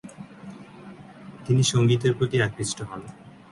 তিনি সঙ্গীতের প্রতি আকৃষ্ট হন।